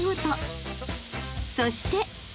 ［そして］